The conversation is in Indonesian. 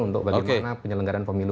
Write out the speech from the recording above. untuk bagaimana penyelenggaraan pemilu